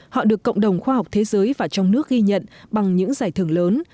họ được cộng đồng khoa học thế giới và trong nước ghi nhận bằng những giải thưởng lớn